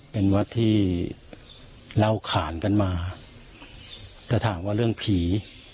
เป็นวัดที่เล่าขานกันมาจะถามว่าเรื่องผี